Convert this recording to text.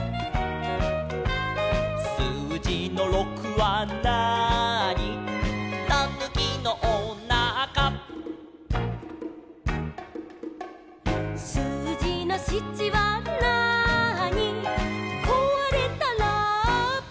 「すうじの６はなーに」「たぬきのおなか」「すうじの７はなーに」「こわれたラッパ」